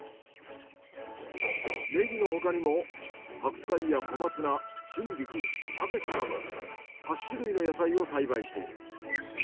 ネギのほかにも白菜や小松菜春菊キャベツなど８種類の野菜を栽培している。